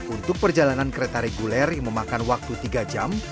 untuk perjalanan kereta reguler yang memakan waktu tiga jam